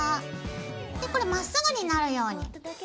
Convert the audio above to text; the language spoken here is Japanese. これまっすぐになるように。